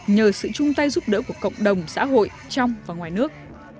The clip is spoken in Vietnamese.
nhờ sự chung tay giúp đỡ của cộng đồng xã hội trong và ngoài nước